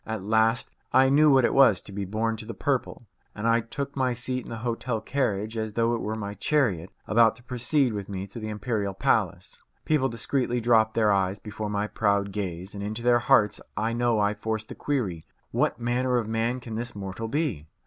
At last I knew what it was to be born to the purple, and I took my seat in the hotel carriage as though it were my chariot about to proceed with me to the imperial palace. People discreetly dropped their eyes before my proud gaze, and into their hearts I know I forced the query, What manner of man can this mortal be?